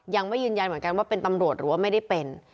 ยังไม่ยืนยันเหมือนกันว่าเป็นตำรวจหรือว่าไม่ได้เป็น